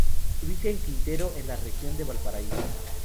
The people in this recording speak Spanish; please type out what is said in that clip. Se ubica en Quintero en la Región de Valparaíso.